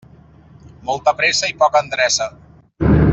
Molta pressa i poca endreça.